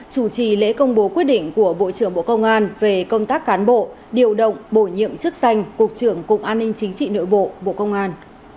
chủ trì lễ công bố quyết định của bộ trưởng bộ công an về công tác cán bộ điều động bổ nhiệm chức danh cục trưởng cục an ninh chính trị nội bộ bộ công an